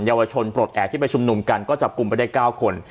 เยาวชนปลดแอบที่ไปชุมนุมกันก็จับกลุ่มไปได้๙คน